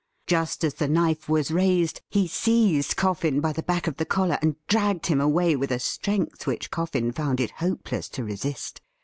Just as the knife was raised he seized Coffin by the back of the collar, and dragged him away with a strength which Coffin found it hopeless to resist.